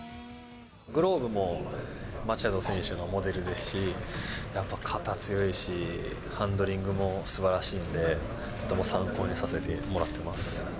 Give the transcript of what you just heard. グローブもマチャド選手のモデルですし、やっぱ肩強いし、ハンドリングもすばらしいんで、とても参考にさせてもらってます。